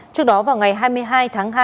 trước đó vào ngày hai mươi hai tháng hai